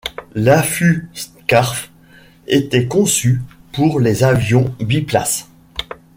L'affût Scarff était conçu pour les avions biplaces.